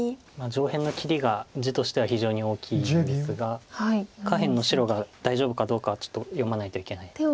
上辺の切りが地としては非常に大きいんですが下辺の白が大丈夫かどうかはちょっと読まないといけないです。